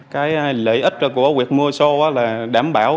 cái lợi ích của việc mua sô là đảm bảo